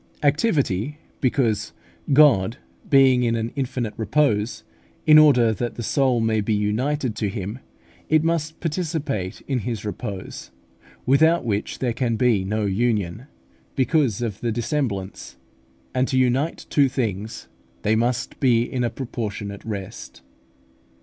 Activity, because God being in an infinite repose, in order that the soul may be united to Him, it must participate in His repose, without which there can be no union, because of the dissemblance; and to unite two things, they must be in a proportionate rest.